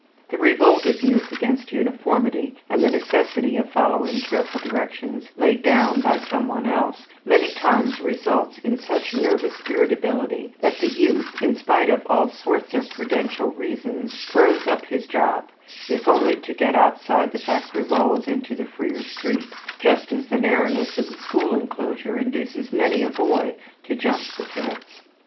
The revolt of youth against uniformity and the necessity of following careful directions laid down by some one else, many times results in such nervous irritability that the youth, in spite of all sorts of prudential reasons, "throws up his job," if only to get outside the factory walls into the freer street, just as the narrowness of the school inclosure induces many a boy to jump the fence.